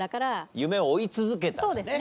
夢を追い続けたらね。